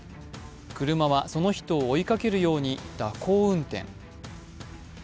車はその人を追いかけるように蛇行運転。